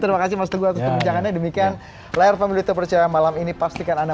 terima kasih pak teguh untuk perbincangannya